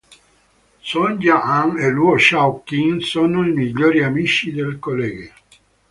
Song Jia An e Luo Shao Qing sono i migliori amici del college.